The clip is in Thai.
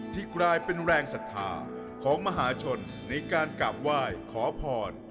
ที่กลายเป็นแรงศรัทธาของมหาชนในการกราบไหว้ขอพร